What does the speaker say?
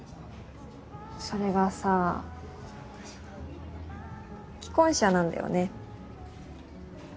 それがさぁ既婚者なんだよね。